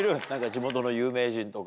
地元の有名人とか。